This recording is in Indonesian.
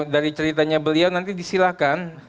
dari ceritanya beliau nanti disilahkan